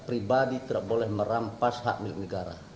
pribadi tidak boleh merampas hak milik negara